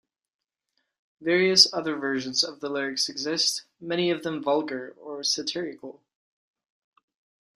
Various other versions of the lyrics exist, many of them vulgar or satirical.